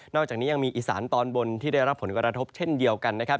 อกจากนี้ยังมีอีสานตอนบนที่ได้รับผลกระทบเช่นเดียวกันนะครับ